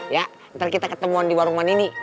ya ntar kita ketemuan di warung man ini